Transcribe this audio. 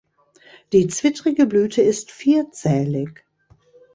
Die zwittrige Blüte ist vierzählig.